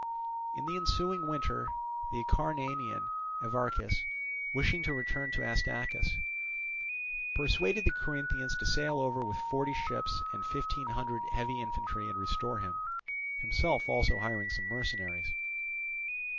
In the ensuing winter the Acarnanian Evarchus, wishing to return to Astacus, persuaded the Corinthians to sail over with forty ships and fifteen hundred heavy infantry and restore him; himself also hiring some mercenaries.